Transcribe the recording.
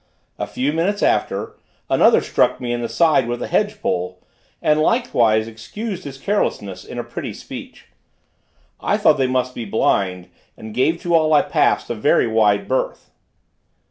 A few minutes after, another struck me in the side with a hedge pole, and likewise excused his carelessness in a pretty speech. I thought they must be blind, and gave to all I passed a very wide berth.